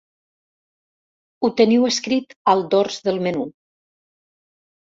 Ho teniu escrit al dors del menú.